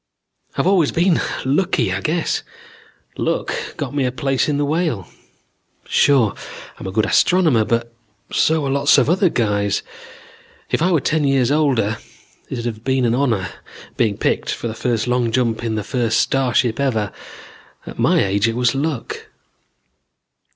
"I've always been lucky, I guess. Luck got me a place in the Whale. Sure I'm a good astronomer but so are lots of other guys. If I were ten years older, it would have been an honor, being picked for the first long jump in the first starship ever. At my age it was luck.